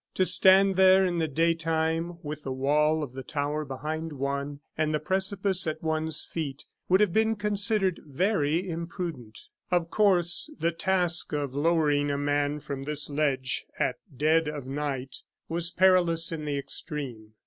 To stand there in the daytime, with the wall of the tower behind one, and the precipice at one's feet, would have been considered very imprudent. Of course, the task of lowering a man from this ledge, at dead of night, was perilous in the extreme.